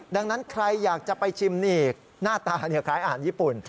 ดังนั้นใครอยากจะไปชิมนี่หน้าตาคล้ายอาหารญี่ปุ่น